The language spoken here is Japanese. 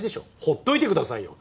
ほっといてくださいよ。